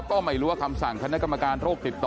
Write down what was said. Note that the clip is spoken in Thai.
ก็ไม่รู้ว่าคำสั่งคณะกรรมการโรคติดต่อ